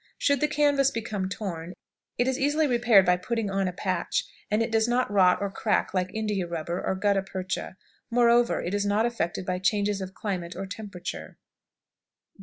Should the canvas become torn, it is easily repaired by putting on a patch, and it does not rot or crack like India rubber or gutta percha; moreover, it is not affected by changes of climate or temperature.